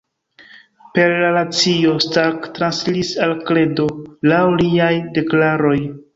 Per la racio Stark transiris al kredo, laŭ liaj deklaroj.